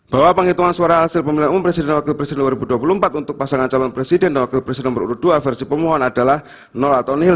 bahwa penghitungan suara hasil pemilihan umum presiden dan wakil presiden dua ribu dua puluh empat untuk pasangan calon presiden dan wakil presiden nomor urut dua versi pemohon adalah nol atau nilai